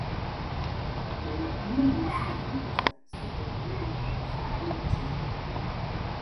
Falco, Numos et Faresa sont relevés de leurs fonctions et mis aux arrêts.